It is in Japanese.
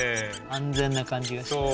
安全な感じがして。